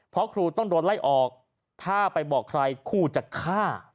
เพราะครูต้องโดนไล่ออกถ้าไปบอกใครคู่จะฆ่า